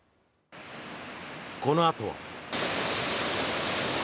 このあとは。